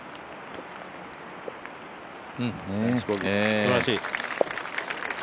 すばらしい。